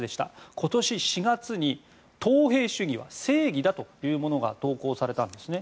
今年４月にトウヘイ主義は正義だというものが投稿されたんですね。